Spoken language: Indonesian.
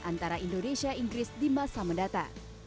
antara indonesia inggris di masa mendatang